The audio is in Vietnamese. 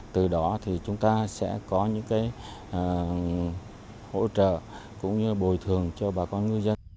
từ đó thì chúng ta sẽ có những hỗ trợ cũng như bồi thường cho bà con ngư dân